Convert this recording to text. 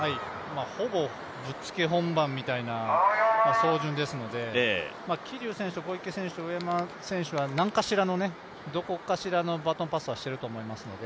ほぼぶっつけ本番みたいな走順ですので桐生選手と小池選手、上山選手はなんかしらの、どこかしらのバトンパスはしていると思いますので。